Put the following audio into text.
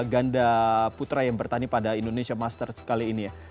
ganda putra yang bertani pada indonesia masters kali ini ya